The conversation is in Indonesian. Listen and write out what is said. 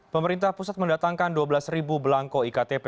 pemerintah pusat mendatangkan dua belas belangko iktp